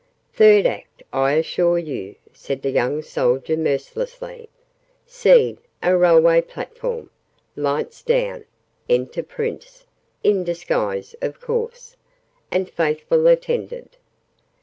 "Third Act, I assure you," said the young soldier mercilessly. "Scene, a railway platform. Lights down. Enter Prince (in disguise, of course) and faithful Attendant.